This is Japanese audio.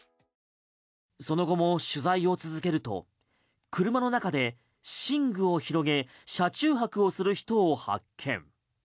その後も取材を続けると車の中で寝具を広げ車中泊をする人を発見。